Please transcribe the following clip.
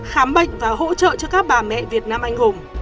khám bệnh và hỗ trợ cho các bà mẹ việt nam anh hùng